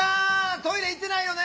トイレ行ってないよね？